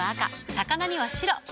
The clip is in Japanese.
魚には白。